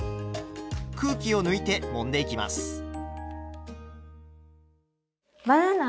空気を抜いてもんでいきます。